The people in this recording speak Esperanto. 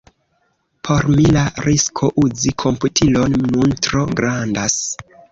Por mi, la risko uzi komputilon nun tro grandas.